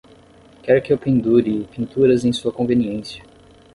Quer que eu pendure pinturas em sua conveniência.